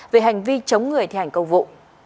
về hành vi chống người thi hành cầu vụ